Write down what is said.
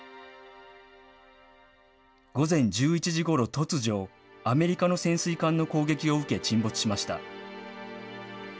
午前１１時ごろ、突如、アメリカの潜水艦の攻撃を受け、沈没しました。